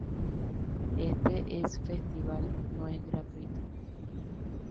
Este es festival no es gratuito.